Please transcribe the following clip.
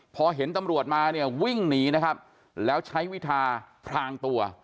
พอเห็นตำรวจมาเนี่ยวิ่งหนีนะครับแล้วใช้วิทาพรางตัว